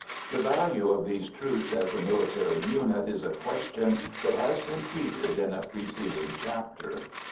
The value of these troops as a military unit is a question that has been treated in a preceding chapter.